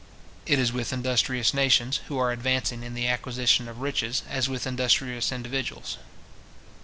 It is with industrious nations, who are advancing in the acquisition of riches, as with industrious individuals.